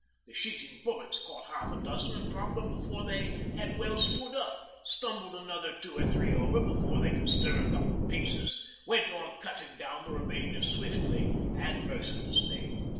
The sheeting bullets caught half a dozen and dropped them before they had well stood up, stumbled another two or three over before they could stir a couple of paces, went on cutting down the remainder swiftly and mercilessly.